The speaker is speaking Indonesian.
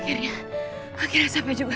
akhirnya akhirnya sampai juga